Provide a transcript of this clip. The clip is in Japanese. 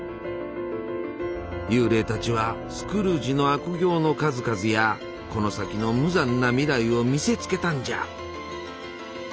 幽霊たちはスクルージの悪行の数々やこの先の無残な未来を見せつけたんじゃ。